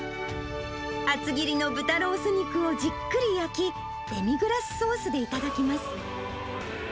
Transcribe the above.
厚切りの豚ロース肉をじっくり焼き、デミグラスソースで頂きます。